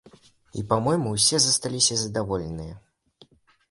І па-мойму, усе засталіся задаволеныя.